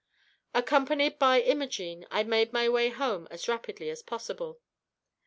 Accompanied by Imogene, I made my way home as rapidly as possible.